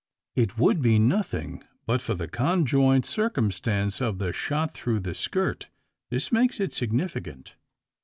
It would be nothing, but for the conjoint circumstance of the shot through the skirt. This makes it significant.